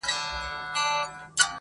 له ناکامه د قسمت په انتظار سو٫